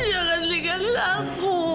jangan tinggalin aku